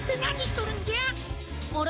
あれ？